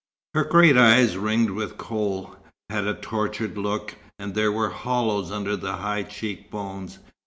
Her great eyes, ringed with kohl, had a tortured look, and there were hollows under the high cheek bones.